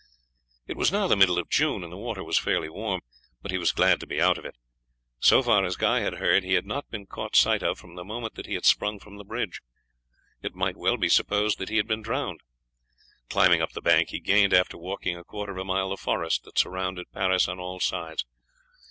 It was now the middle of June, and the water was fairly warm, but he was glad to be out of it. So far as Guy had heard he had not been caught sight of from the moment that he had sprung from the bridge. It might well be supposed that he had been drowned. Climbing up the bank he gained, after walking a quarter of a mile, the forest that surrounded Paris on all sides.